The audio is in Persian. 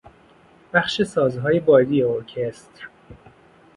بخش سازهای بادی ارکستر